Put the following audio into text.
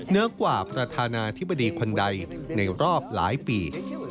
เหนือกว่าประธานาธิบดีคนใดในรอบหลายปี